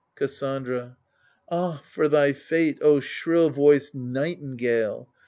52 AGAMEMNON Cassandra Ah for thy fate, O shrill voiced nightingale !